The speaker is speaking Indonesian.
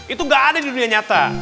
itu gak ada di dunia nyata